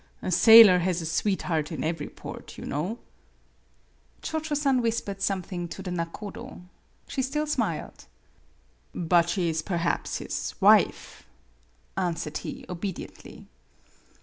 A sailor has a sweetheart in every port, you know." Cho Cho San whispered something to the nakodo. She still smiled. "But she is perhaps his wife," answered he, obediently.